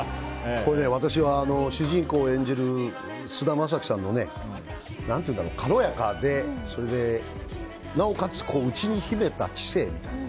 主人公を演じる菅田将暉さんの軽やかでなおかつ内に秘めた知性みたいな。